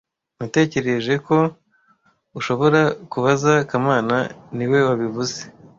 Natekereje ko ushobora kubaza kamana niwe wabivuze